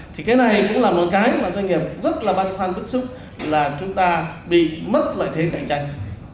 thì cái này cũng là một cái mà doanh nghiệp rất là băn khoăn bức xúc là chúng ta bị mất lợi thế cạnh tranh